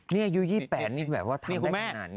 นี่อายุ๒๘นี่แบบว่าทำได้ขนาดนี้